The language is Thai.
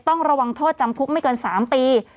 ต้องระวังโทษจำคุกไม่เกิน๓ปี